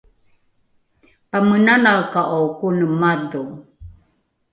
pamenanaeka’o kone madho?